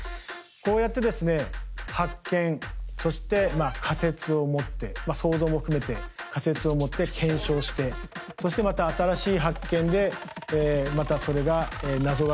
こうやってですね発見そして仮説を持って想像も含めて仮説を持って検証してそしてまた新しい発見でまたそれが謎が深まっていく。